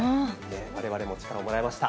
われわれも力をもらいました。